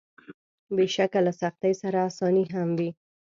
بېشکه له سختۍ سره اساني هم وي.